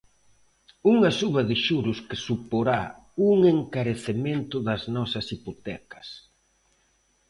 Unha suba de xuros que suporá un encarecemento das nosas hipotecas.